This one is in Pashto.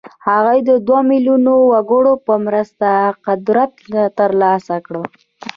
هغه د دوه ميليونه وګړو په مرسته قدرت ترلاسه کړ.